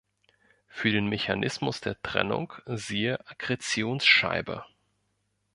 Für den Mechanismus der Trennung siehe Akkretionsscheibe.